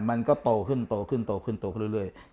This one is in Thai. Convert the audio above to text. มันก็โตขึ้นโตขึ้นโตขึ้นโตขึ้นเรื่อย